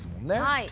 はい。